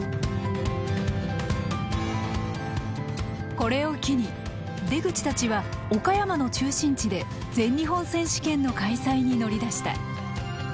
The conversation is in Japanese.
これを機に出口たちは岡山の中心地で全日本選手権の開催に乗り出した。